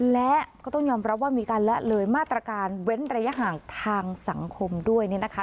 และก็ต้องยอมรับว่ามีการละเลยมาตรการเว้นระยะห่างทางสังคมด้วยเนี่ยนะคะ